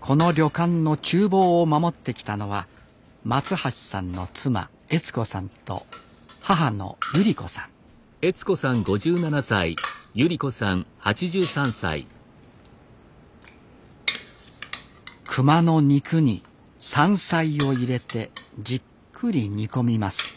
この旅館の厨房を守ってきたのは松橋さんの妻悦子さんと母のユリ子さん熊の肉に山菜を入れてじっくり煮込みます